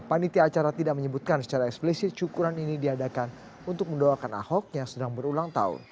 panitia acara tidak menyebutkan secara eksplisit syukuran ini diadakan untuk mendoakan ahok yang sedang berulang tahun